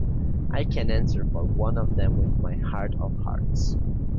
I can answer for one of them with my heart of hearts.